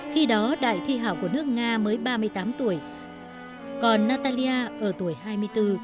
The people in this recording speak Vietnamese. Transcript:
khi đó đại thi hảo của nước nga mới ba mươi tám tuổi còn natalya ở tuổi hai mươi bốn